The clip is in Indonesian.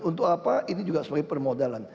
untuk apa ini juga sebagai permodalan